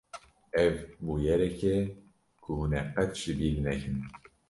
Ev bûyerek e ku hûn ê qet ji bîr nekin!